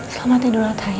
selamat tidur atta ya